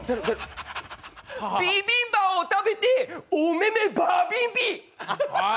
ビビンバを食べておめめ、バビビ！